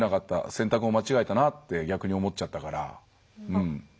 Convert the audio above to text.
選択を間違えたなって逆に思っちゃったから。